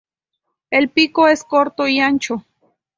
El pico es corto y ancho.